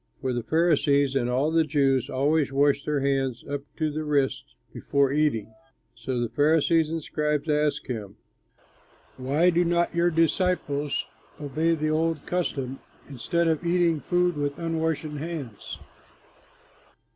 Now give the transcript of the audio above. For the Pharisees and all the Jews always wash their hands up to the wrists before eating. So the Pharisees and scribes asked him, "Why do not your disciples obey the old custom instead of eating food with unwashed hands?"